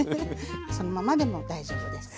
そのままでも大丈夫です。